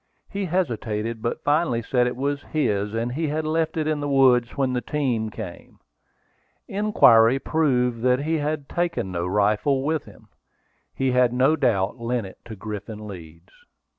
He hesitated; but finally said it was his, and he had left it in the woods when the team came. Inquiry proved that he had taken no rifle with him. He had no doubt lent it to Griffin Leeds.